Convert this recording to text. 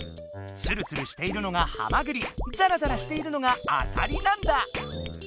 ツルツルしているのがハマグリザラザラしているのがアサリなんだ。